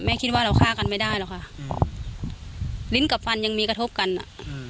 คิดว่าเราฆ่ากันไม่ได้หรอกค่ะอืมลิ้นกับฟันยังมีกระทบกันอ่ะอืม